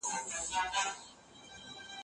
هغه غواړي چي د خپلې موضوع لپاره ماخذونه زیات کړي.